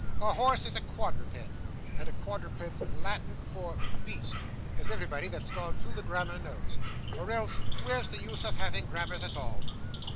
'A horse is a quadruped, and quadruped's Latin for beast, as everybody that's gone through the grammar knows, or else where's the use of having grammars at all?